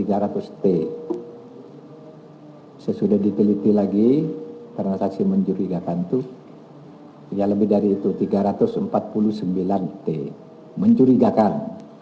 saya sudah dipeliti lagi transaksi mencurigakan itu tidak lebih dari itu tiga ratus empat puluh sembilan t mencurigakan